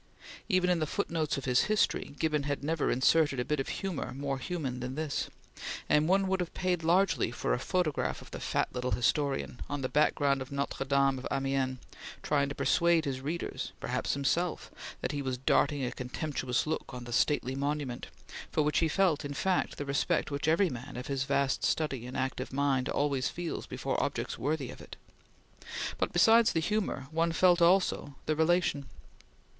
Even in the footnotes of his history, Gibbon had never inserted a bit of humor more human than this, and one would have paid largely for a photograph of the fat little historian, on the background of Notre Dame of Amiens, trying to persuade his readers perhaps himself that he was darting a contemptuous look on the stately monument, for which he felt in fact the respect which every man of his vast study and active mind always feels before objects worthy of it; but besides the humor, one felt also the relation.